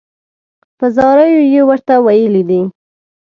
په زاریو یې ورته ویلي دي.